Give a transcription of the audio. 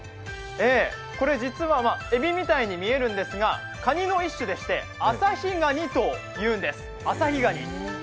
これ実は、えびみたいに見えるんですが、かにの一種でしてアサヒガニというんです。